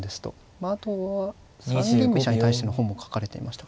まああとは三間飛車に対しての本も書かれていましたかね。